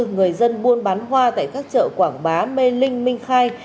người dân buôn bán hoa tại các chợ quảng bá mê linh minh khai